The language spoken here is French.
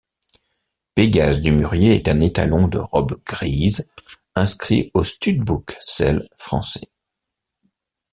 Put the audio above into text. Pégase du Mûrier est un étalon de robe grise, inscrit au stud-book Selle français.